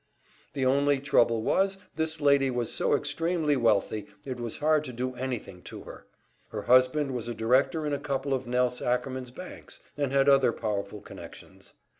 The only trouble was this lady was so extremely wealthy it was hard to do anything to her. Her husband was a director in a couple of Nelse Ackerman's banks, and had other powerful connections.